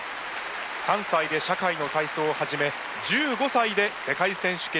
３歳で社会の体操を始め１５歳で世界選手権に出場。